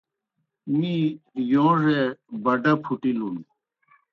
می یوݩڙے بَڈَا پُھٹِلُن۔